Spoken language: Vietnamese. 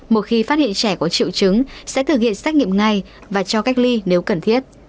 một khi phát hiện trẻ có triệu chứng sẽ thực hiện xét nghiệm ngay và cho cách ly nếu cần thiết